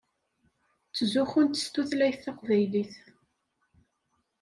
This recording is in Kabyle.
Ttzuxxunt s tutlayt taqbaylit.